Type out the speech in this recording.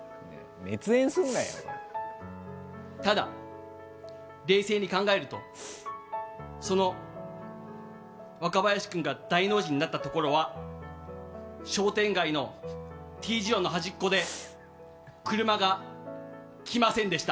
ただ、冷静に考えるとその若林君が大の字になったところは商店街のＴ字路の端っこで車が来ませんでした。